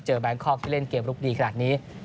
แบงคอกที่เล่นเกมลุกดีขนาดนี้